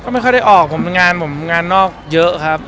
ไม่ค่อยได้ออกผมงานผมงานนอกเยอะครับ